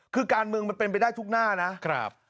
คือการเมืองมันเป็นไปได้ทุกหน้านะครับ